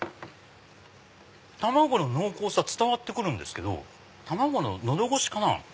卵の濃厚さ伝わって来るんですけど卵の喉越しかな？